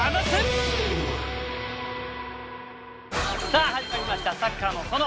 さあ始まりました「サッカーの園」！